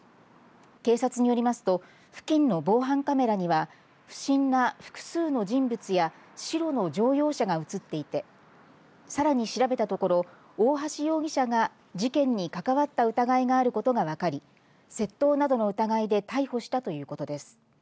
警察によりますと付近の防犯カメラには不審な複数の人物や白の乗用車が写っていてさらに調べたところ大橋容疑者が事件に関わった疑いがあることが分かり窃盗などの疑いで逮捕したということです。